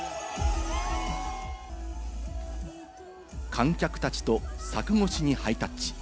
観客たちと柵越しにハイタッチ。